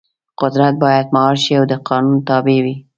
قدرت باید مهار شي او د قانون تابع وي.